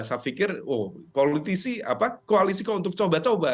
saya pikir oh politisi koalisi untuk coba coba